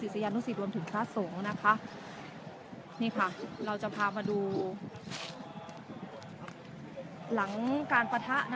มีผู้ที่ได้รับบาดเจ็บและถูกนำตัวส่งโรงพยาบาลเป็นผู้หญิงวัยกลางคน